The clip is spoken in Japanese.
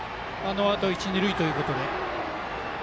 一、二塁ということで。